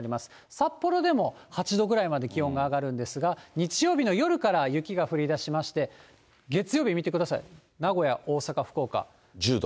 札幌でも８度ぐらいまで気温が上がるんですが、日曜日の夜から雪が降りだしまして、月曜日見てください、名古屋、１０度。